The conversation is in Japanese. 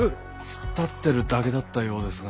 突っ立ってるだけだったようですが。